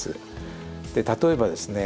例えばですね